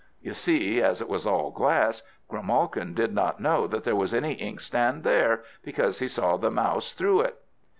You see, as it was all glass, Grimalkin did not know that there was any inkstand there, because he saw the Mouse through it.